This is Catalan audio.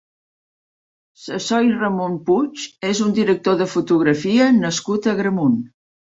Ssoí Ramon Puig és un director de fotografia nascut a Agramunt.